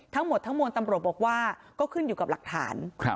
ทั้งหมดทั้งมวลตำรวจบอกว่าก็ขึ้นอยู่กับหลักฐาน